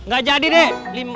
gak jadi dek